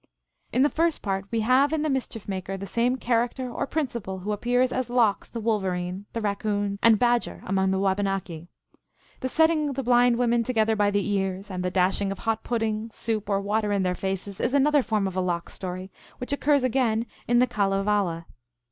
In the first part we have in the Mischief Maker the same character or principle who appears as Lox, the Wolverine, the Kaccoon, and Badger among the Wabanaki. The setting the blind women together by the ears, and the dashing of hot pudding, soup, or water in their faces, is another form of a Lox story, which occurs again in the Kalevala.